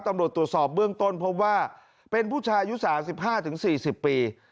ตำรวจตรวจสอบเบื้องต้นพบว่าเป็นผู้ชายอายุ๓๕๔๐ปี